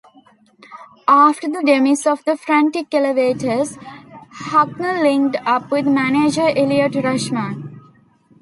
After the demise of The Frantic Elevators, Hucknall linked up with manager Elliot Rashman.